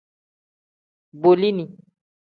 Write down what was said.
Bolini.